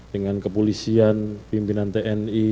dengan kepolisian pimpinan tni